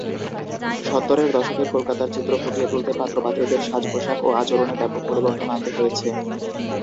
সত্তরের দশকের কলকাতার চিত্র ফুটিয়ে তুলতে পাত্র-পাত্রীদের সাজ-পোশাক ও আচরণে ব্যাপক পরিবর্তন আনতে হয়েছে।